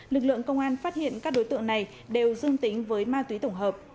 lực lượng công an phát hiện các đối tượng này đều dương tính với ma túy tổng hợp